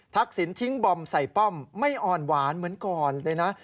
สินทิ้งบอมใส่ป้อมไม่อ่อนหวานเหมือนก่อนเลยนะ